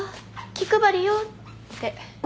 「気配りよ」って。